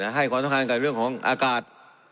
ให้ต้องทำกับเรื่องของอากาศ